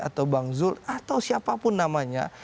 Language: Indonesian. atau bang zul atau siapapun namanya